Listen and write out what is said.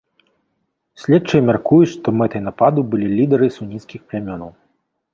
Следчыя мяркуюць, што мэтай нападу былі лідары суніцкіх плямёнаў.